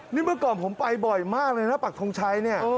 นี่เมื่อก่อนผมไปบ่อยมากเลยนะปักทงชัยเนี่ย